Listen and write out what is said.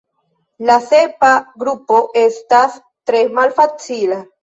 La sepa grupo estas tre malfacila.